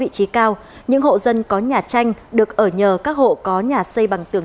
xin chào các bạn